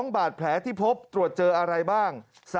บาดแผลที่พบตรวจเจออะไรบ้าง